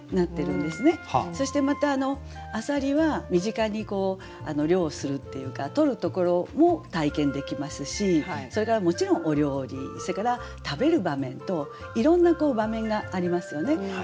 そしてまた浅蜊は身近に漁をするっていうか取るところも体験できますしそれからもちろんお料理それから食べる場面といろんな場面がありますよね。